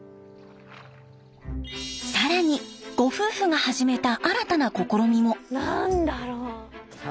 更にご夫婦が始めた新たな試みも。